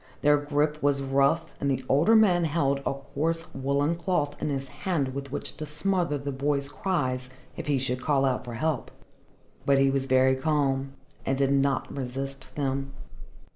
Their grip was rough, and the older man held a coarse woollen cloth in his hand with which to smother the boy's cries if he should call out for help. But he was very calm and did not resist them.